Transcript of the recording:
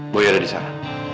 boleh ada di sana